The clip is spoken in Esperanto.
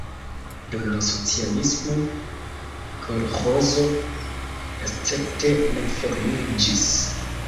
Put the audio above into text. Dum la socialismo kolĥozo escepte ne formiĝis.